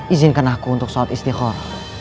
izinkan aku untuk sholat istiqomah